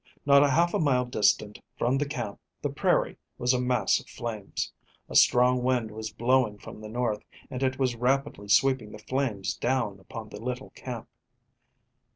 Not half a mile distant from the camp the prairie was a mass of flames. A strong wind was blowing from the north, and it was rapidly sweeping the flames down upon the little camp.